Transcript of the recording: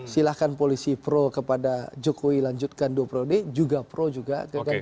silahkan polisi pro kepada jokowi lanjutkan dua prode juga pro juga